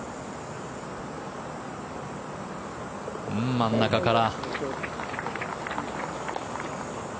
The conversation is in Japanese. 真ん中から。